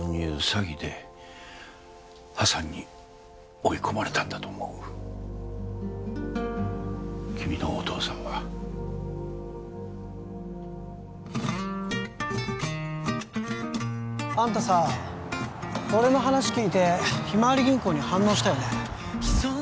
詐欺で破産に追い込まれたんだと思う君のお父さんはあんたさ俺の話聞いてひまわり銀行に反応したよね